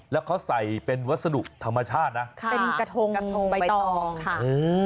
แล้วเขาใส่เป็นวัสดุธรรมชาตินะเป็นกระทงใบตองค่ะ